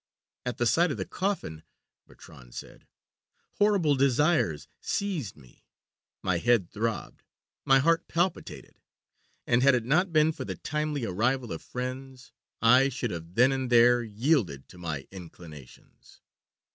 "At the sight of the coffin," Bertrand said, "horrible desires seized me; my head throbbed, my heart palpitated, and had it not been for the timely arrival of friends I should have then and there yielded to my inclinations.